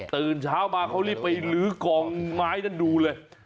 ตื่นเช้ามาเขารีบไปลื้อกองไม้นั้นดูเลย